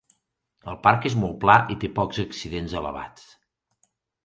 El parc és molt pla i té pocs accidents elevats.